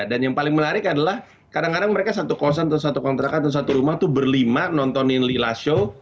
dan yang paling menarik adalah kadang kadang mereka satu kosan satu kontrakan satu rumah tuh berlima nontonin lila show